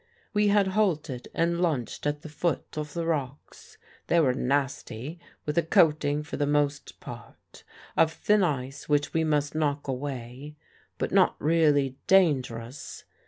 We had halted and lunched at the foot of the rocks. They were nasty, with a coating, for the most part, of thin ice which we must knock away; but not really dangerous.